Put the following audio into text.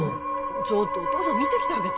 ちょっとお父さん見てきてあげて・